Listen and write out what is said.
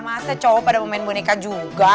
masa cowok pada mau main boneka juga